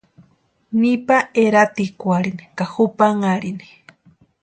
Nipa eratikwarhini ka jupanharhini.